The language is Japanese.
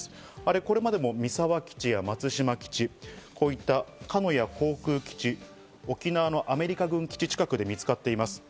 これまでも三沢基地や松島基地、鹿屋航空基地、沖縄のアメリカ軍基地近くで見つかっています。